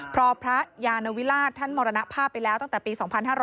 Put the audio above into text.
เพราะพระยานวิราชท่านมรณภาพไปแล้วตั้งแต่ปี๒๕๕๙